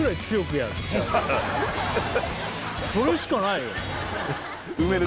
それしかないよ。